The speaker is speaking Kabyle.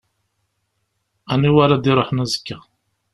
Aniwa ara d-iṛuḥen azekka?